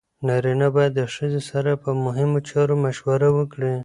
نارینه باید د ښځې سره په مهمو چارو مشوره وکړي.